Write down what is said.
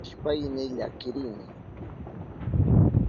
Shuk basuta pakishpayni llakirini.